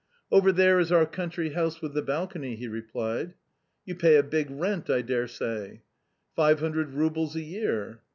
" Over there is our country house with the balcony," he replied. " You pay a big rent, I daresay ?"" Five hundred roubles a year."